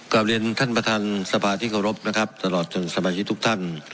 กลับเรียนท่านประธานสภาที่เคารพนะครับตลอดจนสมาชิกทุกท่าน